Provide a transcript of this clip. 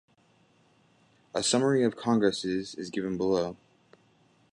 A summary of congresses is given below.